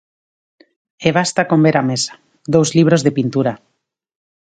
E basta con ver a mesa: dous libros de pintura.